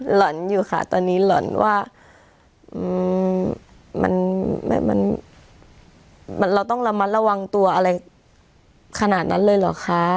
หล่อนอยู่ค่ะตอนนี้หล่อนว่ามันเราต้องระมัดระวังตัวอะไรขนาดนั้นเลยเหรอคะ